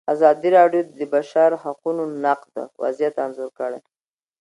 ازادي راډیو د د بشري حقونو نقض وضعیت انځور کړی.